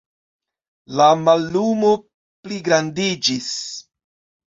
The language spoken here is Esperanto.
La mallumo pligrandiĝis.